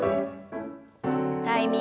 タイミングよく。